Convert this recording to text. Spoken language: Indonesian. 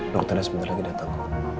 dokternya sebentar lagi datang